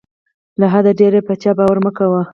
له حده ډېر په چا باور مه کوه.